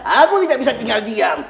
aku tidak bisa tinggal diam